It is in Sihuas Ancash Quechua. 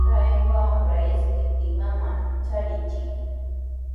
Chay wamra ishkiptin mamanmi shaarichin.